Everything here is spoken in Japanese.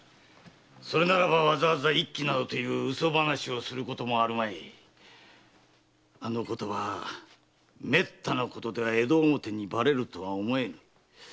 それならばわざわざ一揆などと嘘話をすることもあるまい。あのことはめったなことでは江戸表にばれるとは思えん。